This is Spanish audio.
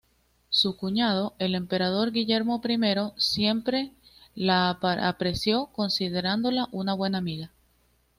Su cuñado, el emperador Guillermo I, siempre la apreció, considerándola una buena amiga.